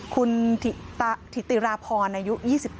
คุณถิติราพรอายุ๒๗